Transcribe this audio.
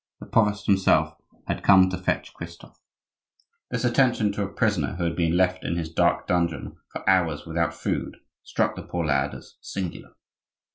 The provost himself had come to fetch Christophe. This attention to a prisoner who had been left in his dark dungeon for hours without food, struck the poor lad as singular.